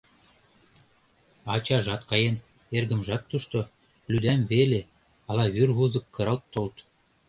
Ачажат каен, эргымжат тушто, лӱдам веле, ала вӱр вузык кыралт толыт.